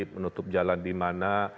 menutup jalan di mana